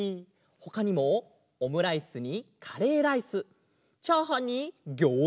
ほかにもオムライスにカレーライスチャーハンにギョーザだって！